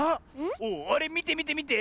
おおあれみてみてみて。